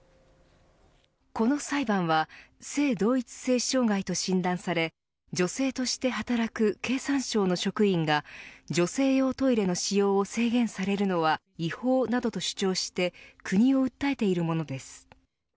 この裁判は性同一性障害と診断され女性として働く経産省の職員が女性用トイレの使用を制限されるのは違法などと主張して国を訴えているものです。